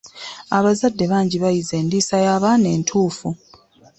Abazadde bangi bayize endiisa y'abaana entuufu.